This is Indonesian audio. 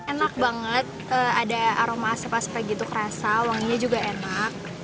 enak banget ada aroma asap asap gitu kerasa wanginya juga enak